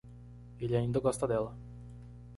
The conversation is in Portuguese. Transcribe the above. Ele ainda gosta dela.